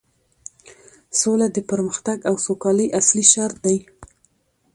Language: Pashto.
سوله د پرمختګ او سوکالۍ اصلي شرط دی